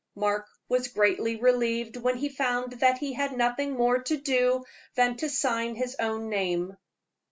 Mark was greatly relieved when he found that he had nothing more to do than to sign his own name.